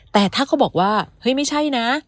แต่ถ้าเขาบอกว่าเฮ้ยไม่ใช่นะ